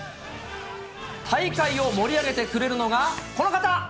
大会を盛り上げてくれるのがこの方。